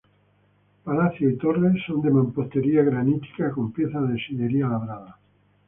Palacio y torre son de mampostería granítica con piezas de sillería labrada.